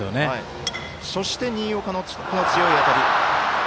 そして、新岡の強い当たり。